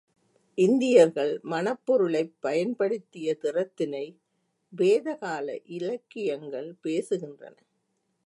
இந்தியர்கள் மணப்பொருளைப் பயன்படுத்திய திறத்தினை வேதகால இலக்கியங்கள் பேசுகின்றன.